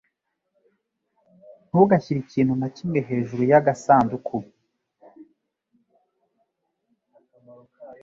Ntugashyire ikintu na kimwe hejuru yagasanduku.